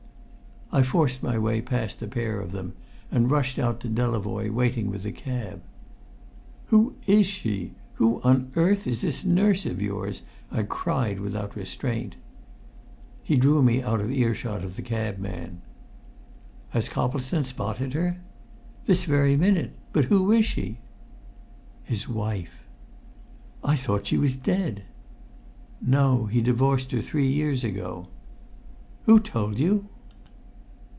I forced my way past the pair of them, and rushed out to Delavoye waiting with the cab. "Who is she? Who on earth is this nurse of yours?" I cried without restraint. He drew me out of earshot of the cab man. "Has Coplestone spotted her?" "This very minute but who is she?" "His wife." "I thought she was dead?" "No; he divorced her three years ago." "Who told you?"